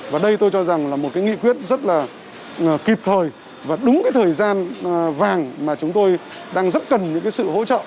và đây tôi cho rằng là một cái nghị quyết rất là kịp thời và đúng cái thời gian vàng mà chúng tôi đang rất cần những cái sự hỗ trợ